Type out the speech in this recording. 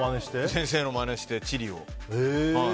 先生のまねして、地理を。